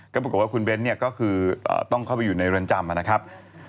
ก็บอกว่าคุณเบ้นท์ก็คือต้องเข้าไปอยู่ในร้านจำนะครับ